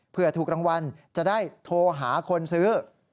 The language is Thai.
เพื่อถูกรางวัลจะได้โทรหาคนซื้อ